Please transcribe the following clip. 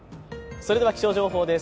それでは気象情報です。